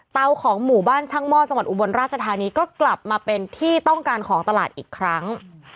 ของหมู่บ้านช่างหม้อจังหวัดอุบลราชธานีก็กลับมาเป็นที่ต้องการของตลาดอีกครั้ง